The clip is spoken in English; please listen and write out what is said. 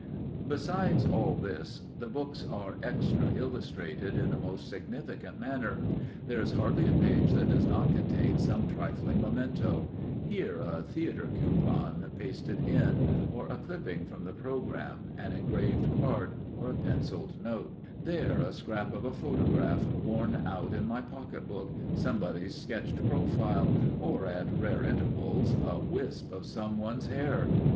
Besides all this, the books are extra illustrated in the most significant manner. There is hardly a page that does not contain some trifling memento; here, a theatre coupon pasted in, or a clipping from the programme, an engraved card or a pencilled note; there a scrap of a photograph worn out in my pocket book, somebody's sketched profile, or, at rare intervals, a wisp of some one's hair!